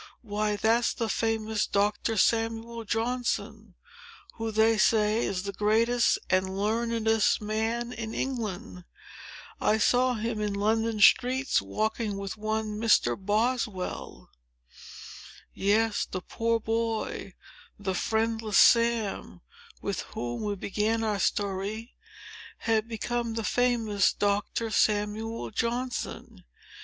"Why, that's the famous Doctor Samuel Johnson, who, they say, is the greatest and learnedest man in England. I saw him in London Streets, walking with one Mr. Boswell." Yes; the poor boy—the friendless Sam—with, whom we began our story, had become the famous Doctor Samuel Johnson!